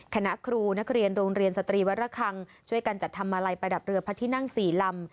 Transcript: คณะครูนักเรียนโรงเรียนสตรีวัตรคังช่วยกันจัดทำมาลัยประดับเรือพระที่นั่ง๔ลำ